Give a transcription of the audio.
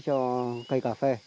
cho cây cà phê